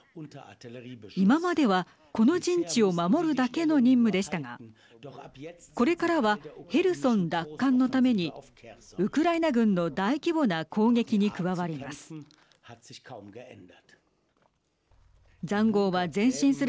今までは、この陣地を守るだけの任務でしたがこれからはヘルソン奪還のためにウクライナ軍の大規模な攻撃に加わります。